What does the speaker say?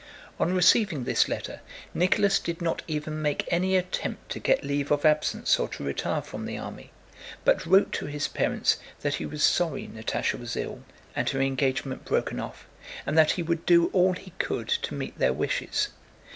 On receiving this letter, Nicholas did not even make any attempt to get leave of absence or to retire from the army, but wrote to his parents that he was sorry Natásha was ill and her engagement broken off, and that he would do all he could to meet their wishes.